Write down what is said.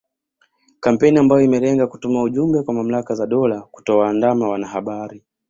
Kampeni ambayo imelenga kutuma ujumbe kwa mamlaka za dola kutowaandama wanahabari